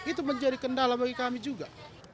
itu menjadi kendala bagi kami juga